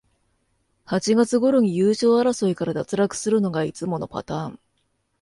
八月ごろに優勝争いから脱落するのがいつものパターン